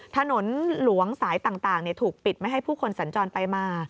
ถนนหลวงสายต่างถูกปิดไม่ให้ผู้คนสัญจรไปมา